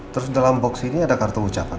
terus dalam box ini ada kartu ucapan